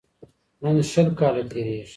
نن شل کاله تیریږي